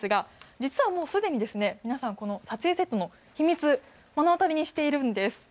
実はもうすでに、皆さん、撮影セットの秘密、目の当たりにしているんです。